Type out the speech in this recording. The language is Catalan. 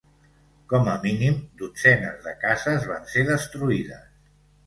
Com a mínim dotzenes de cases van ser destruïdes.